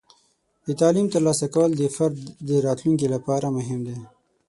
د تعلیم ترلاسه کول د فرد د راتلونکي لپاره مهم دی.